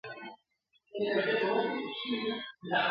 له هر لوري یې کوله صحبتونه ..